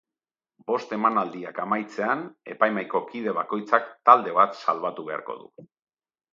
Bost emanaldiak amaitzean, epaimahaiko kide bakoitzak talde bat salbatu beharko du.